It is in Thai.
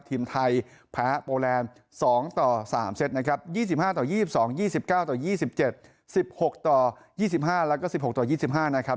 ทีมไทยแพ้โปรแลนด์๒ต่อ๓เซตนะครับ๒๕ต่อ๒๒๒๙ต่อ๒๗๑๖ต่อ๒๕แล้วก็๑๖ต่อ๒๕นะครับ